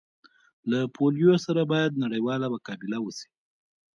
د پولیو سره باید نړیواله مقابله وسي